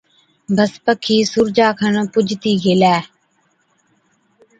بس پکِي سُورجا کن پُجتِي گيلَي